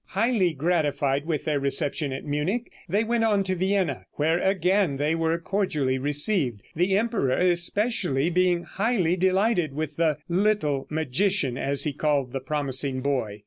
Highly gratified with their reception at Munich, they went on to Vienna, where again they were cordially received, the emperor especially being highly delighted with the "little magician," as he called the promising boy.